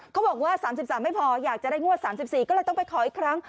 บอกว่า๓๓ไม่พออยากจะได้งวด๓๔ก็เลยต้องไปขออีกครั้ง